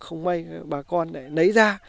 không may bà con lấy ra